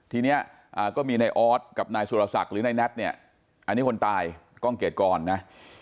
ทีนี้ก็มีนายออสกับนายสุรศักดิ์หรือนายแน็ตเนี่ยอันนี้คนตายกล้องเกรดกรนะ